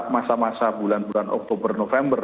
masa masa bulan bulan oktober november